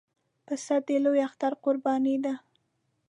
پسه د لوی اختر قرباني ده.